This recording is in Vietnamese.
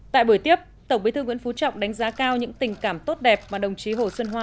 tại buổi tiếp tổng bí thư nguyễn phú trọng đánh giá cao những tình cảm tốt đẹp mà đồng chí hồ xuân hoa